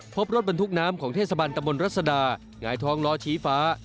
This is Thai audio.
พบรถบรรทุกน้ำของเทศบาลตะบนรัศดาหงายท้องล้อชี้ฟ้า